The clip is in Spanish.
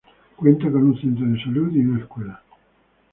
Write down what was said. Cuenta con un centro de salud, y una escuela.